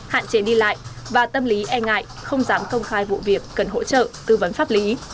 hạn chế đi lại và tâm lý e ngại không dám công khai vụ việc cần hỗ trợ tư vấn pháp lý